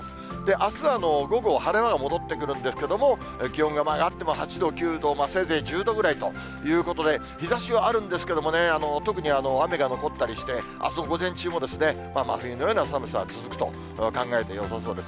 あすは午後、晴れ間が戻ってくるんですけれども、気温が上がっても８度、９度、せいぜい１０度ぐらいということで、日ざしはあるんですけれどもね、特に雨が残ったりして、あすの午前中も真冬のような寒さが続くと考えてよさそうです。